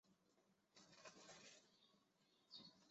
大部分种类的植物都是国立武汉大学建立后引种的。